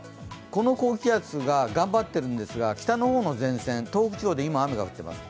この高気圧が頑張っているんですが、北の方の前線、東北地方で今雨が降っています。